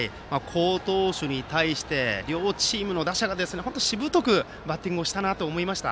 好投手に対して両チームの打者が本当にしぶとくバッティングをしたなと思いました。